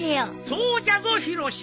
そうじゃぞヒロシ。